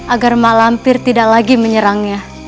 agar malam tidak lagi menyerangnya